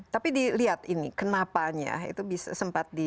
tapi dilihat ini kenapanya itu bisa sempat di